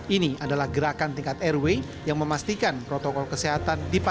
ini adalah gerakan tingkat rw yang memastikan protokol kesehatan